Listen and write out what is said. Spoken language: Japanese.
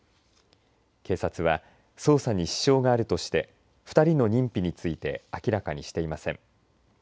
警察は捜査に支障があるとして２人の認否について明らかにしていません。